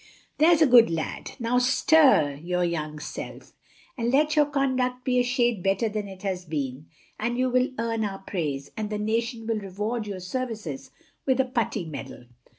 There's a good lad! now stir your young self, and let your conduct be a shade better than it has been, and you will earn our praise, and the nation will reward your services with a putty medal.